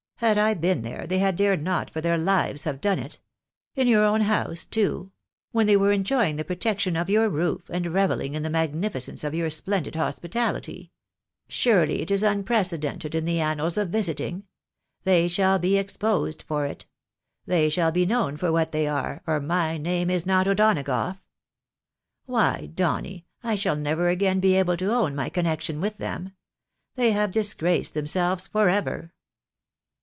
had I been there, they had dared not for their Hves have done it. In your own house too !— when they were enjoying the protection of your roof, and reveUing in the magnificence of yoiu* splendid hos pitahty ! Surely it is unprecedented in the annals of visiting. They shall be exposed for it. They shall be known for what they are, or my name is not O'Donagough. Why, Donny, I shall never again be able to own my connection with them. They have disgraced them selves for ever